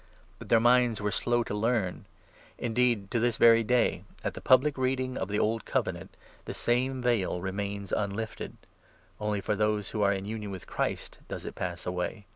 But their minds were slow to learn. 14 Indeed, to this very dayk at the public reading of the Old Covenant, the same veil remains unlifted ; only for those who are in union with Christ does it pass away.